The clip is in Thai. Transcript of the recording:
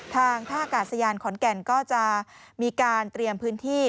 ทางท่ากาศยานขอนแก่นก็จะมีการเตรียมพื้นที่